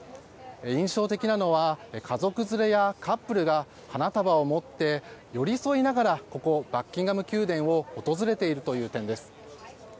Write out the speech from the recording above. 印象的なのは家族連れやカップルが花束を持って寄り添いながらここバッキンガム宮殿を訪れているという点です。